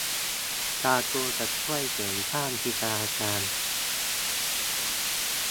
การ์ตูนจะช่วยเสริมสร้างจินตนาการ